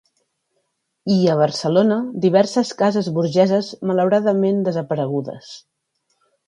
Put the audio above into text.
I a Barcelona, diverses cases burgeses malauradament desaparegudes.